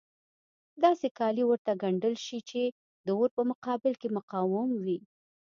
داسې کالي ورته ګنډل شي چې د اور په مقابل کې مقاوم وي.